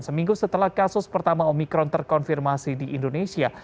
seminggu setelah kasus pertama omikron terkonfirmasi di indonesia